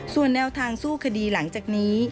ส่วนแนวทางสู้คดีหลังจากนี้